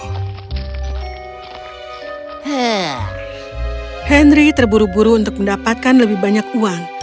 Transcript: henry terburu buru untuk mendapatkan lebih banyak uang